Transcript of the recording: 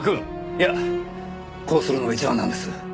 いやこうするのが一番なんです。